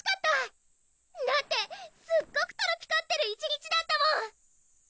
だってすっごくトロピカってる１日だったもん！